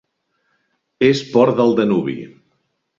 És port del Danubi.